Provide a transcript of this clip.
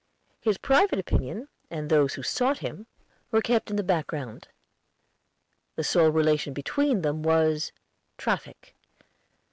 His private opinions, and those who sought him, were kept in the background; the sole relation between them was Traffic.